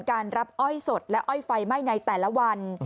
การรับอ้อยสดและอ้อยไฟไหม้ในแต่ละวัน